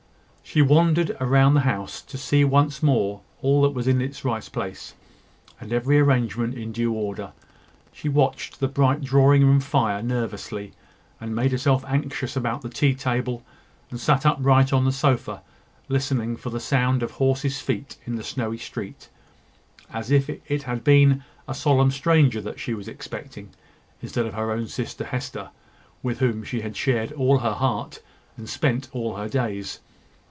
She wandered about the house to see once more that all was in its right place, and every arrangement in due order. She watched the bright drawing room fire nervously, and made herself anxious about the tea table, and sat upright on the sofa, listening for the sound of horses' feet in the snowy street, as if it had been a solemn stranger that she was expecting, instead of her own sister Hester, with whom she had shared all her heart, and spent all her days.